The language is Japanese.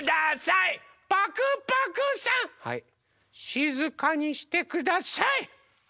しずかにしてください！